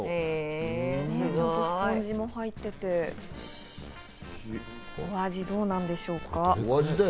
ちゃんとスポンジも入ってて、お味はどうなんでしょうか？